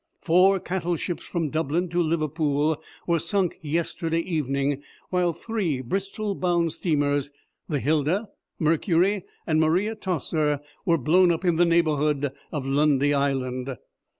Four cattle ships from Dublin to Liverpool were sunk yesterday evening, while three Bristol bound steamers, The Hilda, Mercury, and Maria Toser, were blown up in the neighbourhood of Lundy Island.